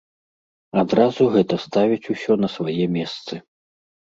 Адразу гэта ставіць усё на свае месцы.